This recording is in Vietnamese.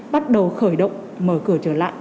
bắt đầu khởi động mở cửa trở lại